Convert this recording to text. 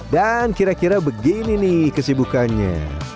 dan kira kira begini nih kesibukannya